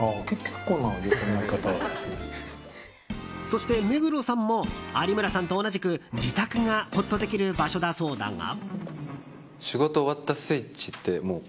そして目黒さんも有村さんと同じく自宅がほっとできる場所だそうだが。